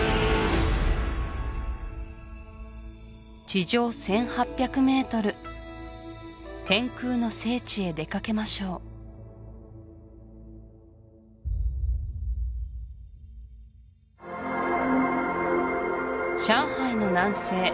地上１８００ｍ天空の聖地へ出かけましよう上海の南西